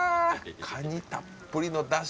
カニたっぷりのダシ